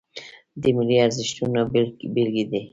د ملي ارزښتونو بیلګې